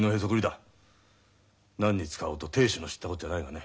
何に使おうと亭主の知ったこっちゃないがね。